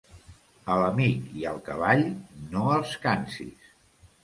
A l'amic i al cavall, no els cansis.